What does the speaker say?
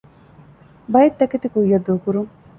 ބައެއް ތަކެތި ކުއްޔައްދޫކުރުން